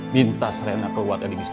minta serena keluar dari bisnis kita